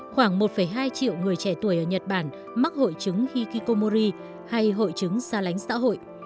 khoảng một hai triệu người trẻ tuổi ở nhật bản mắc hội chứng hikikomori hay hội chứng xa lánh xã hội